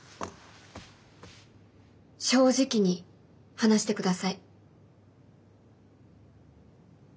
正直に話してください。